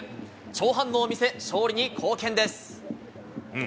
超反応を見せ、勝利に貢献です。